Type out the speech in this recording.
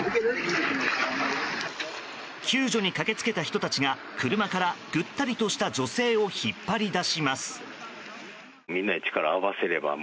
救助に駆け付けた人たちが車から、ぐったりとした女性を引っ張り出します。